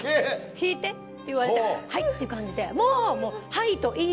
「弾いて」って言われて「はい」っていう感じでもう。